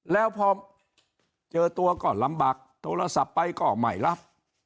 แล้วพอเจอตัวก็ลำบากโทรศัพท์ไปก็ไม่รับ